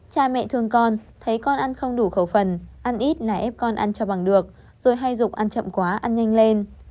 cha mẹ thương con thấy con ăn không đủ khẩu phần ăn ít là ép con ăn cho bằng được rồi hay rục ăn chậm quá ăn nhanh lên